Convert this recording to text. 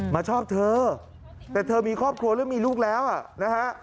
ชอบเธอแต่เธอมีครอบครัวแล้วมีลูกแล้วนะฮะ